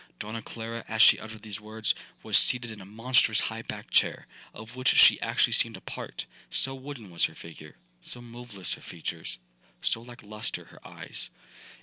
'Donna Clara, as she uttered these words, was seated in a monstrous high backed chair, of which she actually seemed a part, so wooden was her figure, so moveless her features, so lacklustre her eyes.